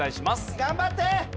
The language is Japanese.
頑張って！